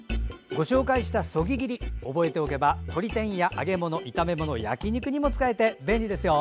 ご紹介したそぎ切り、覚えておけばとり天や揚げ物、炒め物焼き肉にも使えて便利ですよ。